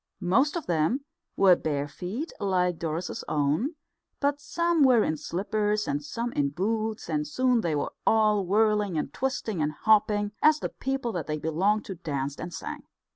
Most of them were bare feet, like Doris's own, but some were in slippers and some in boots, and soon they were all whirling and twisting and hopping, as the people that they belonged to danced and sang.